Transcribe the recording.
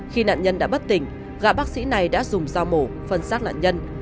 khi nạn nhân đã bất tỉnh gạ bác sĩ này đã dùng dao mổ phân xác nạn nhân